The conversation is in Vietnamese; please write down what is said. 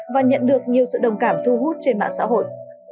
và nhận được nhiều sự đồng cảm thu hút trên mạng xã hội